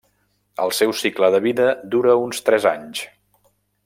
El seu cicle de vida dura uns tres anys.